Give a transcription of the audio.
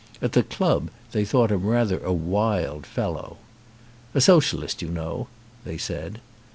At the club they thought him rather a wild fellow. "A socialist, you know," they said.